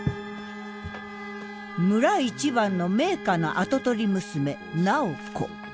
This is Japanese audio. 村一番の名家の跡取り娘楠宝子。